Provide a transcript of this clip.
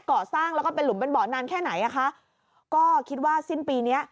ก่อสร้างแล้วก็เป็นหลุมเป็นบ่อนานแค่ไหนอ่ะคะก็คิดว่าสิ้นปีเนี้ย